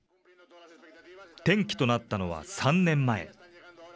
転機となったのは３年前。